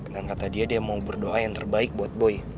dan kata dia dia mau berdoa yang terbaik buat boy